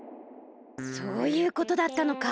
そういうことだったのか。